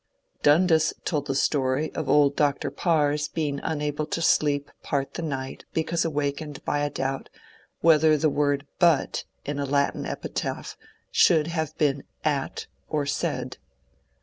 Dundas told the story of old Dr. Parr's being unable to sleep part the night because awakened by a doubt whether the word but in a Latin epitaph should have been at or sed.